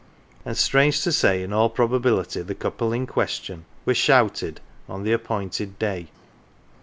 And, strange to say, in all probability the couple in question were "shouted"" on the appointed day.